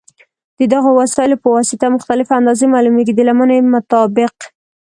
د دغو وسایلو په واسطه مختلفې اندازې معلومېږي د لمنې مطابق.